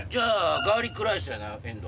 ガーリックライスやな遠藤。